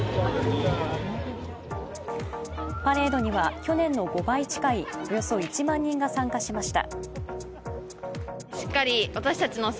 パレードには、去年の５倍近いおよそ１万人が参加しました。